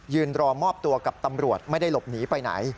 รอมอบตัวกับตำรวจไม่ได้หลบหนีไปไหน